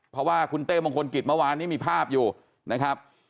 เพราะว่าคุณเต้มงคลกิจเมื่อวานนี้มีภาพอยู่นะครับ